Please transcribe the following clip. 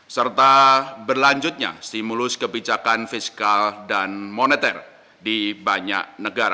serta berlanjutnya stimulus kebijakan fiskal dan moneter di banyak negara